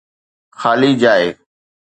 خالي جاءِ